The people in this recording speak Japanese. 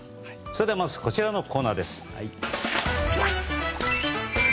それではまずこちらのコーナーです。